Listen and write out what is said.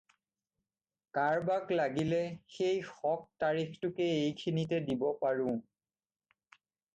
কাৰবাক লাগিলে, সেই শক তাৰিখটোকে এইখিনিতে দিব পাৰোঁ।